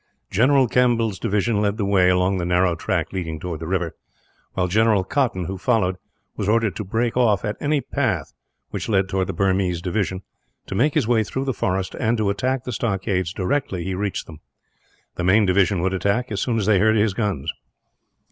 General Campbell's division led the way, along the narrow track leading towards the river; while General Cotton, who followed, was ordered to break off at any path which led towards the Burmese division, to make his way through the forest, and to attack the stockades directly he reached them. The main division would attack, as soon as they heard his guns.